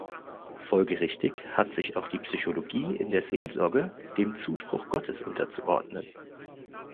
Folgerichtig hat sich auch die Psychologie in der Seelsorge dem Zuspruch Gottes unterzuordnen.